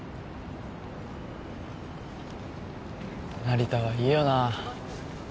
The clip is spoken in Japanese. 成田はいいよな